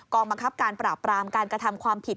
บังคับการปราบปรามการกระทำความผิด